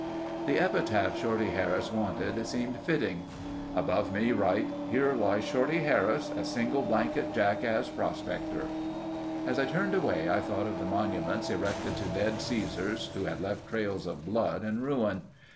The epitaph Shorty Harris wanted seemed fitting: "Above me write, 'Here lies Shorty Harris, a single blanket jackass prospector.'" As I turned away I thought of the monuments erected to dead Caesars who had left trails of blood and ruin.